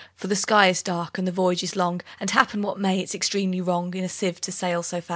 For the sky is dark, and the voyage is long; And, happen what may, it's extremely wrong In a sieve to sail so fast."